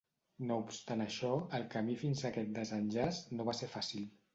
No obstant això, el camí fins a aquest desenllaç no va ser fàcil.